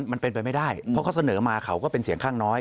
มันเป็นไปไม่ได้เพราะเขาเสนอมาเขาก็เป็นเสียงข้างน้อย